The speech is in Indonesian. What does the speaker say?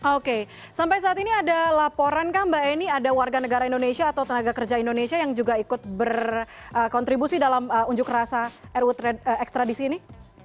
oke sampai saat ini ada laporan kah mbak eni ada warga negara indonesia atau tenaga kerja indonesia yang juga ikut berkontribusi dalam unjuk rasa ru ekstra di sini